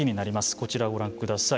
こちらをご覧ください。